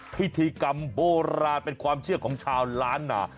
พิธีกรรมโบราณเป็นความเชื่อของชาวล้านนา